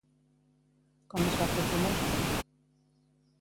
Com es va fer famosa?